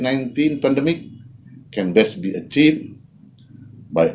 dapat dihasilkan dengan baik